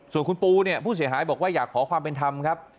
ส่วนคุณปูเนี่ยผู้เสียหายบอกว่าอยากขอความเป็นธรรมครับ